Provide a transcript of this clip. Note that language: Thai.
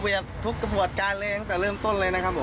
ชัดเจนนะครับทุกกระพวดการเลยตั้งแต่เริ่มต้นเลยนะครับผม